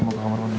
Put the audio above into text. mau ke kamar mandi